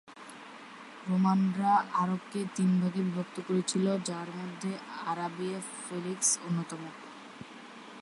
রোমানরা আরবকে তিনভাগে বিভক্ত করেছিল যার মধ্যে আরাবিয়া ফেলিক্স অন্যতম।